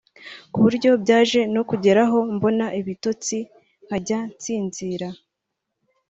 ku buryo byaje no kugeraho mbona ibitotsi nkajya nsinzira